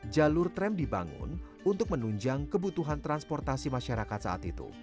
jalur tram dibangun untuk menunjang kebutuhan transportasi masyarakat saat itu